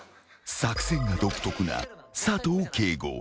［作戦が独特な佐藤景瑚］